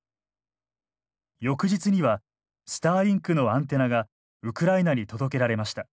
翌日にはスターリンクのアンテナがウクライナに届けられました。